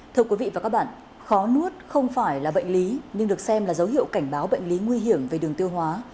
thưa quý vị và các bạn khó nuốt không phải là bệnh lý nhưng được xem là dấu hiệu cảnh báo bệnh lý nguy hiểm về đường tiêu hóa